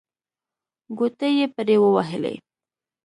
ګوتې یې پرې ووهلې.